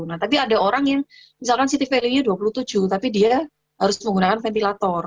nah tapi ada orang yang misalkan city value nya dua puluh tujuh tapi dia harus menggunakan ventilator